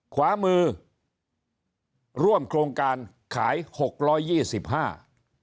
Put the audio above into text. ขวามือร่วมโครงการขาย๖๒๕บาท